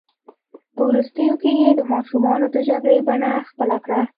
په وروستیو کې یې د ماشومانو د جګړې بڼه خپله کړه.